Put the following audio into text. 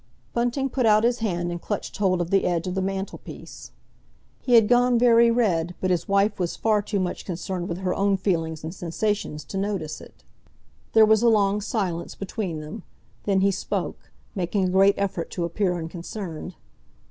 Bunting put out his hand and clutched hold of the edge of the mantelpiece. He had gone very red, but his wife was far too much concerned with her own feelings and sensations to notice it. There was a long silence between them. Then he spoke, making a great effort to appear unconcerned.